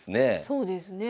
そうですね。